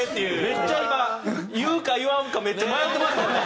めっちゃ今言うか言わんかめっちゃ迷ってましたよね？